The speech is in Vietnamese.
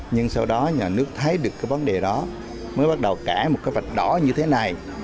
nhưng sau đó nhà nước thấy được cái vấn đề đó mới bắt đầu cả một cái vạch đỏ như thế này